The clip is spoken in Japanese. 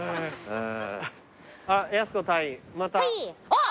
あっ！